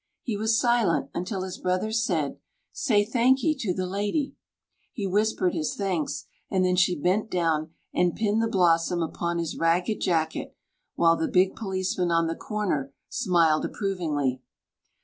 He was silent, until his brother said: "Say thanky to the lady." He whispered his thanks, and then she bent down and pinned the blossom upon his ragged jacket, while the big policeman on the corner smiled approvingly.